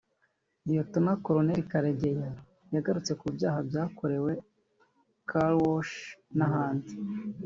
Rtd Col Karege yagarutse ku byaha byakorewe ‘Car Wash’ n’ahandi